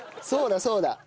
そうだそうだ。